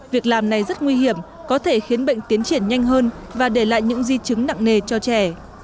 việc làm này rất nguy hiểm có thể khiến bệnh tiến triển nhanh hơn và để lại những di chứng nặng nề cho trẻ